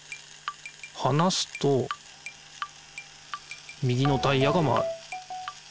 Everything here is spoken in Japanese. はなすと右のタイヤが回る。